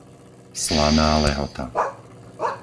Slaná Lehota